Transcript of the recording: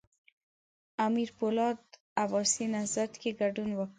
امیر پولاد عباسي نهضت کې ګډون وکړ.